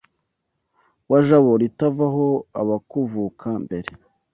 Wa Jabo ritavaho Abakuvuka-mbere